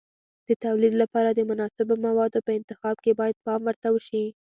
د تولید لپاره د مناسبو موادو په انتخاب کې باید پام ورته وشي.